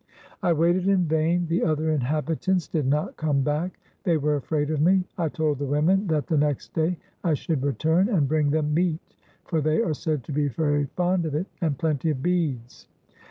I waited in vain — the other inhabitants did not come back; they were afraid of me. I told the women that the next day I should return and bring them meat (for they are said to be very fond of it), and plenty of beads.